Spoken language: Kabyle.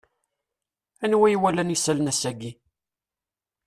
Anwa iwalan isallen ass-agi?